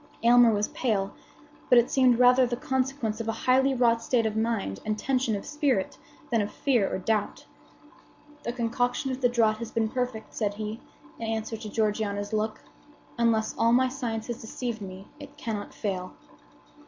Aylmer was pale; but it seemed rather the consequence of a highly wrought state of mind and tension of spirit than of fear or doubt. "The concoction of the draught has been perfect," said he, in answer to Georgiana's look. "Unless all my science have deceived me, it cannot fail."